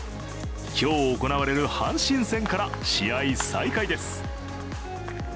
今日行われる阪神戦から試合再開です。